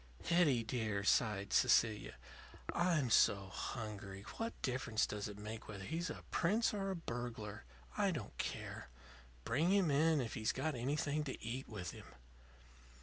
"Hetty, dear," sighed Cecilia, "I'm so hungry. What difference does it make whether he's a prince or a burglar? I don't care. Bring him in if he's got anything to eat with him."